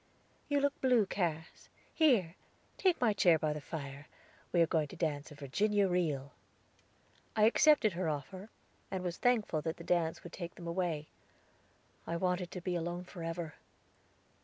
"You look blue, Cass. Here, take my chair by the fire; we are going to dance a Virginia reel." I accepted her offer, and was thankful that the dance would take them away. I wanted to be alone forever.